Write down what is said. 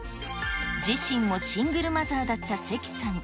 自身もシングルマザーだった石さん。